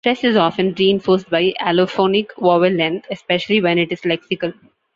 Stress is often reinforced by allophonic vowel length, especially when it is lexical.